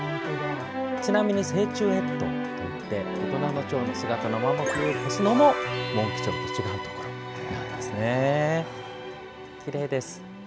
ちなみに、成虫越冬といって大人のチョウの姿のまま冬を越すのもモンキチョウと違うところなんですよね。